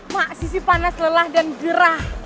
mak sisi panas lelah dan gerah